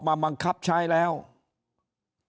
ถ้าท่านผู้ชมติดตามข่าวสาร